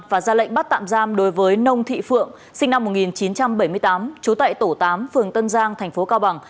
và ra lệnh bắt tạm giam đối với nông thị phượng sinh năm một nghìn chín trăm bảy mươi tám trú tại tổ tám phường tân giang thành phố cao bằng